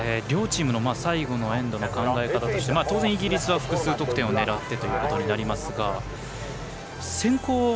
両チームの最後のエンドの考え方として当然、イギリスは複数得点を狙ってということになりますが先攻